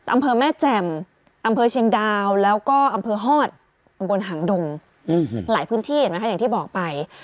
อำเภอแม่แจ่มอำเภอเชียงดาวแล้วก็อำเภอฮอตตำบลหางดงหลายพื้นที่เห็นไหมคะอย่างที่บอกไป